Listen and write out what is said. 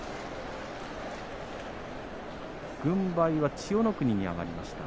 軍配は千代の国に上がりました。